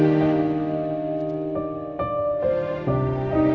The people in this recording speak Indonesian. sama menang dia